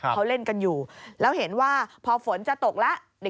เขาเล่นกันอยู่แล้วเห็นว่าพอฝนจะตกแล้ว